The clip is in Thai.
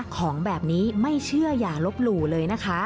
ของแบบนี้ไม่เชื่ออย่าลบหลู่เลยนะคะ